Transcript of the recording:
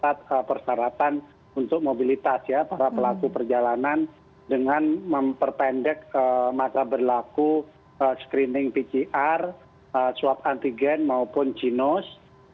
dan juga ada persyaratan untuk mobilitas ya para pelaku perjalanan dengan memperpendek masa berlaku screening pcr swab antigen maupun chinos